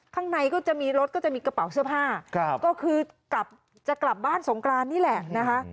ข้างในก็จะมีรถก็จะมีกระเป๋าเสื้อผ้าก็คือกลับจะกลับบ้านสงกรานนี่แหละนะคะ